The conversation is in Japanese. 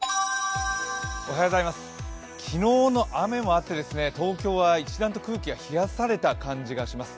昨日の雨もあって東京は一段と空気が冷やされた感じがします。